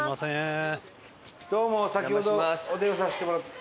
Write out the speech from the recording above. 伊達：どうも、先ほどお電話させてもらった。